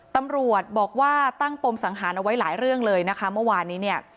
ตำรวจบอกว่าตั้งปมสังหารเอาไว้หลายเรื่องเลยนะคะเมื่อวานนี้เนี่ย